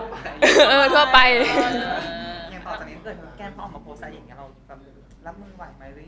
ยังต่อจากนี้เกมก็ออกมาโพสต์ใส่อย่างเงี้ย